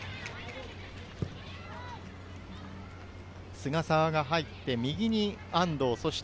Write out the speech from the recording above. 菅澤が入って右に安藤。